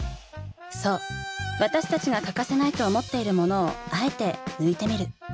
そう私たちが欠かせないと思っているものをあえて抜いてみる。